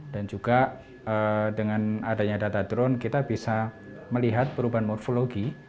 dan juga dengan adanya data drone kita bisa melihat perubahan morfologi